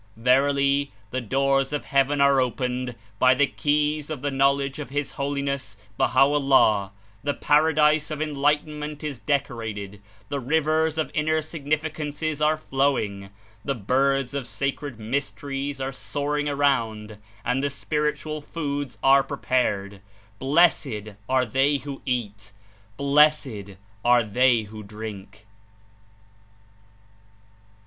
Verily the doors of heaven are opened by the keys of the Knowledge of His Holiness, Baha'o' LLAH, the paradise of Enlightenment Is decorated, the rivers of Inner Significances are flowing, the birds of Sacred Mysteries are soaring around, and the Spiritual Foods are prepared. Blessed are they who eat! Blessed are they who drink!